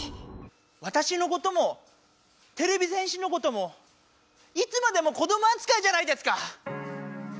わたしのこともてれび戦士のこともいつもまでも子どもあつかいじゃないですか！